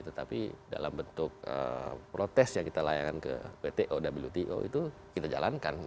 tetapi dalam bentuk protes yang kita layan ke pto wto itu kita jalankan